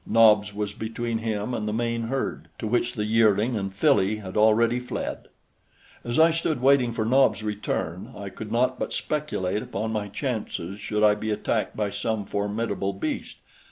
Nobs was between him and the main herd, to which the yearling and filly had already fled. As I stood waiting for Nobs' return, I could not but speculate upon my chances should I be attacked by some formidable beast.